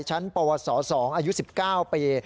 ชั้นปวส๒อายุ๑๙ปี